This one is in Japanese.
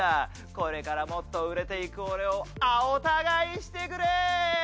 これからもっと売れていく俺を青田買いしてくれ！